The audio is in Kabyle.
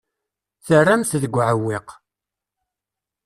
Terram-t deg uɛewwiq.